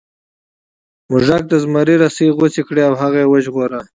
موږک د زمري رسۍ غوڅې کړې او هغه یې وژغوره.